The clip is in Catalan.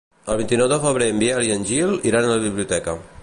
El vint-i-nou de febrer en Biel i en Gil iran a la biblioteca.